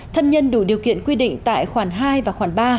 thân nhân đủ điều kiện quy định tại khoản hai và khoản ba